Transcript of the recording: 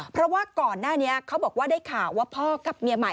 เพราะว่าก่อนหน้านี้เขาบอกว่าได้ข่าวว่าพ่อกับเมียใหม่